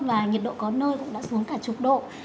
và nhiệt độ có nơi cũng đã xuống cả chục độ